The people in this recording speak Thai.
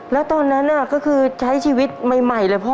แล้วตอนนั้นก็คือใช้ชีวิตใหม่เลยพ่อ